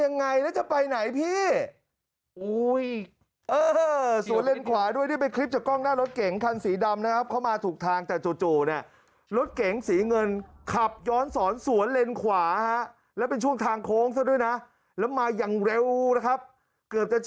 นี่ส่วนเลนส์ขวาครับคุณผู้ชม